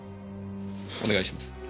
お願いします。